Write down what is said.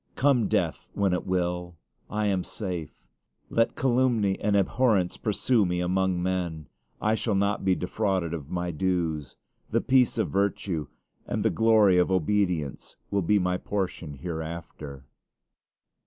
Come death when it will, I am safe. Let calumny and abhorrence pursue me among men; I shall not be defrauded of my dues. The peace of virtue and the glory of obedience will be my portion hereafter.